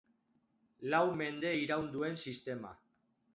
Lau mende iraun duen sistema.